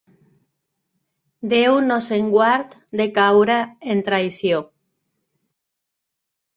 Déu nos en guard de caure en traïció!